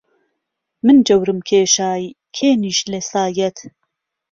من جهورم کێشای کێ نیشت له سایهت